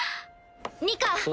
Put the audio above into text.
ニカ！